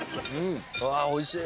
うわーおいしい！